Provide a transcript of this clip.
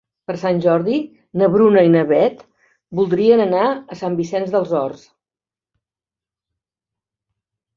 Per Sant Jordi na Bruna i na Beth voldrien anar a Sant Vicenç dels Horts.